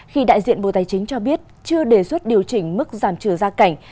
khi đại diện bộ tài chính cho biết chưa đề xuất điều chỉnh mức giảm trừ gia cảnh